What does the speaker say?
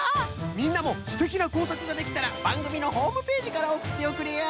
みんなもすてきなこうさくができたらばんぐみのホームページからおくっておくれよ。